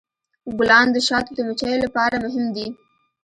ګلان د شاتو د مچیو لپاره مهم دي.